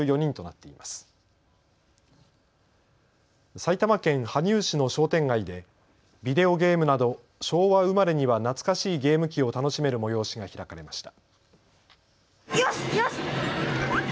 埼玉県羽生市の商店街でビデオゲームなど昭和生まれには懐かしいゲーム機を楽しめる催しが開かれました。